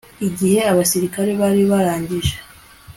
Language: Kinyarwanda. igihe abasirikari bari barangije